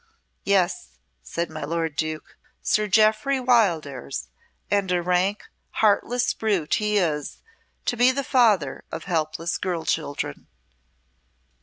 "Yes," said my lord Duke, "Sir Jeoffry Wildairs, and a rank, heartless brute he is to be the father of helpless girl children."